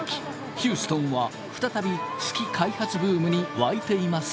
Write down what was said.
ヒューストンは再び月開発ブームに沸いています。